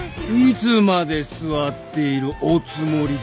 いつまで座っているおつもりですか？